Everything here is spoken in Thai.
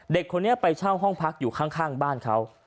เด็กคนนี้ไปเช่าห้องพักอยู่ข้างบ้านเขา